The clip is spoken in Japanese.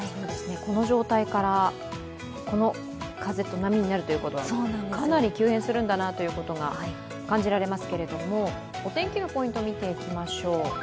この状態から、この風と波になるということはかなり急変するんだなということが感じられますけれどもお天気のポイントを見ていきましょう。